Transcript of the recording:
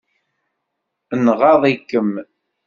Nɣaḍ-ikem?